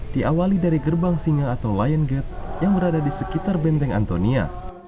diawali dari gerbang singa atau lion gate yang berada di sekitar benteng antonia